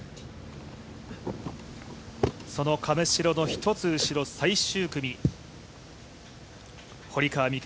その亀代の１つ後ろの最終組、堀川未来